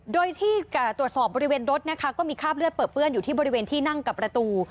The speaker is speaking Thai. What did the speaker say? โดยที่ตรวจสอบบริเวณรถนะคะก็มีคราบเลือดเปิดเปื้อนอยู่ที่บริเวณที่นั่งกับประตู